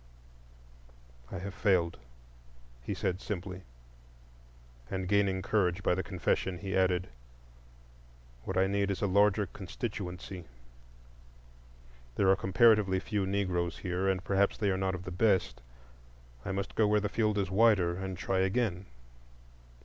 "I have failed," he said simply. And gaining courage by the confession, he added: "What I need is a larger constituency. There are comparatively few Negroes here, and perhaps they are not of the best. I must go where the field is wider, and try again."